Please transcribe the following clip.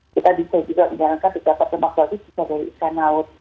kita bisa juga mengangkat kita dapat lemak batu juga dari ikan laut